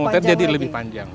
ya membuatnya jadi lebih panjang